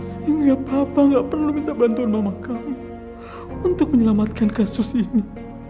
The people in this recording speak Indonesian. sehingga papa gak perlu minta bantuan mama kami untuk menyelamatkan kasus ini